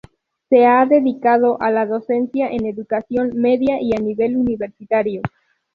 Se ha dedicado a la docencia en educación media y a nivel universitario.